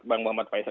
bang muhammad faisal